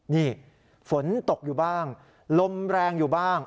นี่ฝนตกอยู่บ้างลมแรงอยู่บ้าง